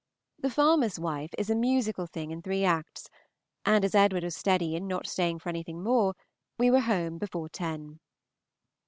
The "Farmer's Wife" is a musical thing in three acts, and as Edward was steady in not staying for anything more, we were at home before ten.